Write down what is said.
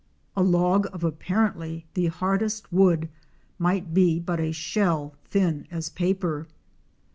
A log of apparently the hardest wood might be but a shell thin as paper.